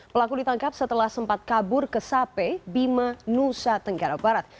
pelaku ditangkap setelah sempat kabur ke sape bima nusa tenggara barat